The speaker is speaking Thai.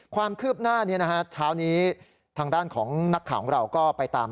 ความคืบหน้านี้นะฮะเช้านี้ทางด้านของนักข่าวของเราก็ไปตาม